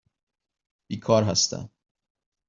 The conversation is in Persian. بیکار هستم.